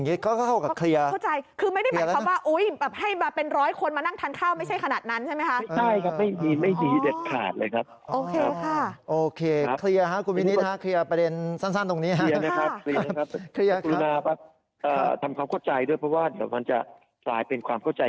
อย่างงี้ก็เข้ากับเคลียร์เข้าใจคือไม่ได้หมายความว่าอุ้ย